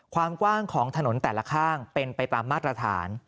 ความกว้างของถนนแต่ละข้างเป็นไปตามมาตรฐาน